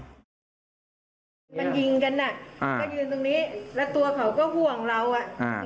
มันยิงกันอ่ะอ่าก็ยืนตรงนี้แล้วตัวเขาก็ห่วงเราอ่ะอ่า